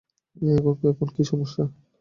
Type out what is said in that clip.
এখন কী সমস্যা?